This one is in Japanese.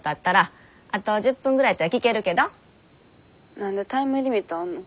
何でタイムリミットあんの。